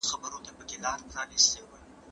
د زمان بلال به کله، کله ږغ کي